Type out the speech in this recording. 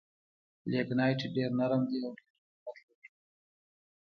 لېګنایټ ډېر نرم دي او ډېر رطوبت لري.